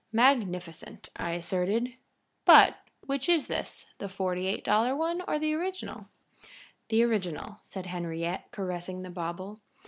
"Magnificent!" I asserted. "But which is this, the forty eight dollar one or the original?" "The original," said Henriette, caressing the bauble.